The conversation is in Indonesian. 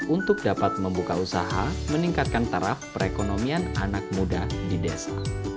untuk dapat membuka usaha meningkatkan taraf perekonomian anak muda di desa